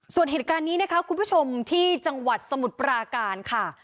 ส่วนเหตุการณ์นี้นะคะคุณผู้ชมที่จังหวัดสมุทรปราการค่ะ